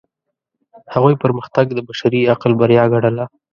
هغوی پرمختګ د بشري عقل بریا ګڼله.